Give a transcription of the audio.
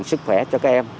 sức khỏe cho các em